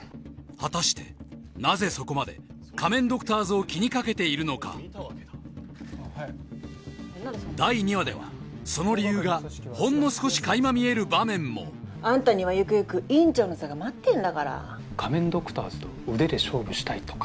果たしてなぜそこまで仮面ドクターズを気にかけているのか第２話ではその理由がほんの少しかいま見える場面もあんたにはゆくゆく院長の座が待ってんだから仮面ドクターズと腕で勝負したいとか？